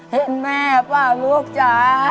เห็นแม่ป่ะลูกจ๊ะ